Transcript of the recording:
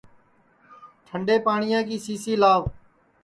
ٹھنڈے پاٹؔیا کی سی سی لاو